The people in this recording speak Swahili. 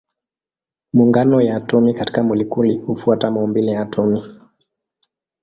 Maungano ya atomi katika molekuli hufuata maumbile ya atomi.